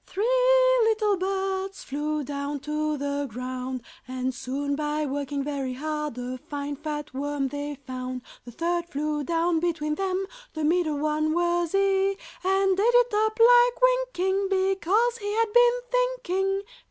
Three little birds Flew down to the ground, And soon, by working very hard, A fine fat worm they found. The third flew down between them, (The middle one was he,) And ate it up like winking Because he had been thinking.